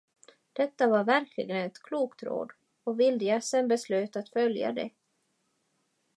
Detta var verkligen ett klokt råd, och vildgässen beslöt att följa det.